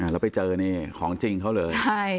แล้วไปเจอนี่ของจริงเขาเลย